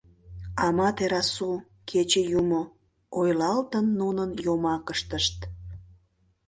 «Аматерасу — кече юмо, — ойлалтын нунын йомакыштышт.